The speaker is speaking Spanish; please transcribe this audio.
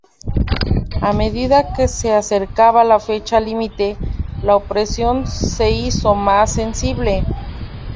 A medida que se acercaba la fecha límite, la opresión se hizo más sensible.